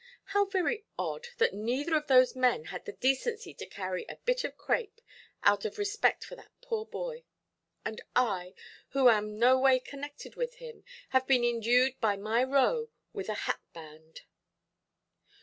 How very odd, that neither of those men had the decency to carry a bit of crape, out of respect for that poor boy; and I, who am noway connected with him, have been indued by my Roe with a hat–band"!